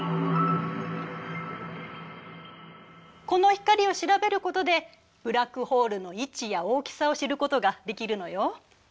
この光を調べることでブラックホールの位置や大きさを知ることができるのよ。